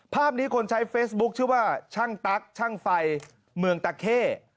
ภาพนี้คนใช้เฟซบุ๊คชื่อว่าช่างตั๊กช่างไฟเมืองตะเข้